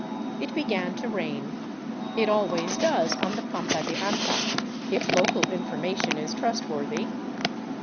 It began to rain. It always does on the Pampa de Anta, if local information is trustworthy.